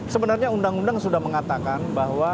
sebenarnya undang undang sudah mengatakan bahwa